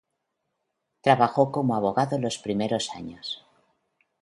Trabajó como abogado los primeros años.